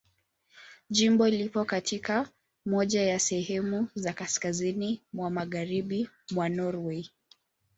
Jimbo lipo katika moja ya sehemu za kaskazini mwa Magharibi mwa Norwei.